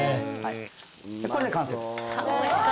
これで完成ですうわ